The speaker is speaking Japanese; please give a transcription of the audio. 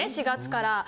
４月から。